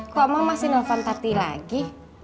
kok emang masih nelfon tati lagi